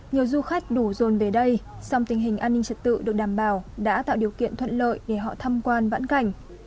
nhiều du khách đủ dồn về đây song tình hình an ninh trật tự được đảm bảo đã tạo điều kiện thuận lợi để họ thăm quan vãn cảnh